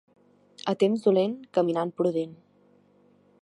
A temps dolent, caminant prudent.